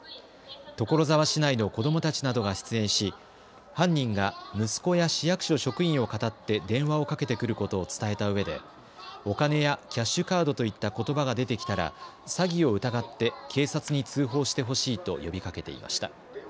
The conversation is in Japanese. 所沢市内の子どもたちなどが出演し犯人が息子や市役所職員をかたって電話をかけてくることを伝えたうえでお金やキャッシュカードといったことばが出てきたら詐欺を疑って警察に通報してほしいと呼びかけていました。